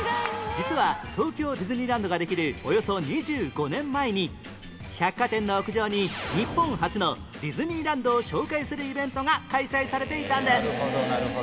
実は東京ディズニーランドができるおよそ２５年前に百貨店の屋上に日本初のディズニーランドを紹介するイベントが開催されていたんです